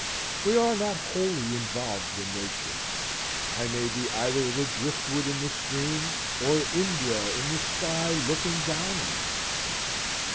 We are not wholly involved in Nature. I may be either the drift wood in the stream, or Indra in the sky looking down on it.